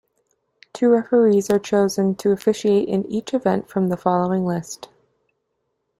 Two referees are chosen to officiate in each event, from the following list.